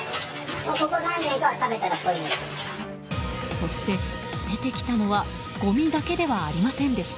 そして出てきたのはごみだけではありませんでした。